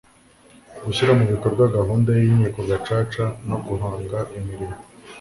gushyira mu bikorwa gahunda y'inkiko gacaca no guhanga imirimo